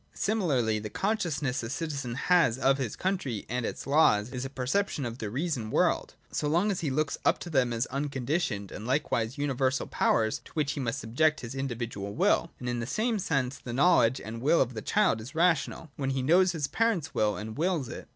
Similarly, the consciousness a citizen has of his country and its laws is a perception of the reason world, so long as he looks up to them as unconditioned and likewise universal powers, to which he must subject his in dividual will. And in the same sense, the knowledge and will of the child is rational, when he knows his parents' will, and wills it.